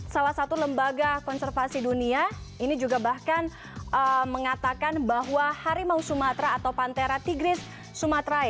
salah satu lembaga konservasi dunia ini juga bahkan mengatakan bahwa harimau sumatera atau pantera tigris sumatera